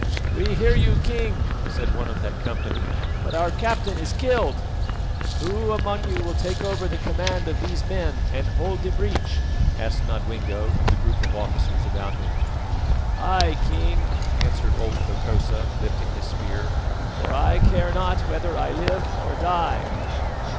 "We hear you, king," said one of that company, "but our captain is killed." "Who among you will take over the command of these men and hold the breach?" asked Nodwengo of the group of officers about him. "I, King," answered old Hokosa, lifting his spear, "for I care not whether I live or die."